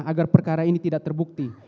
agar perkara ini tidak terbukti